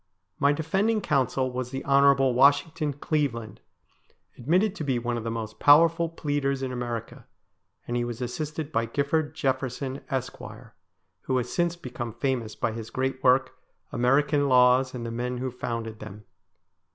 My defending counsel was the Hon. Washington Cleveland, admitted to be one of the most powerful pleaders in America, and he was assisted by Gifford Jefferson, Esq., who has since become famous by his great work, ' American Laws, and the Men who Founded Them.